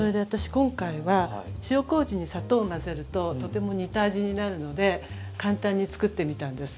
今回は塩麹に砂糖を混ぜるととても似た味になるので簡単に作ってみたんです。